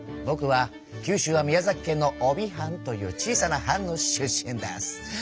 ぼくは九州は宮崎県の飫肥藩という小さな藩の出身です！